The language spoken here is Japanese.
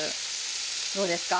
どうですか？